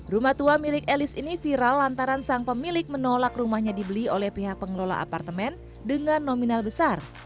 rumah tua milik elis ini viral lantaran sang pemilik menolak rumahnya dibeli oleh pihak pengelola apartemen dengan nominal besar